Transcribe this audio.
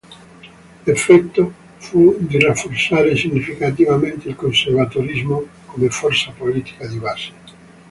L'effetto fu di rafforzare significativamente il conservatorismo come forza politica di base.